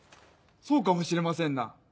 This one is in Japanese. そうかもしれませんな。